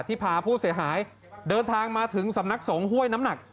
พาผู้เสียหายเดินทางมาถึงสำนักสงฆ์ห้วยน้ำหนัก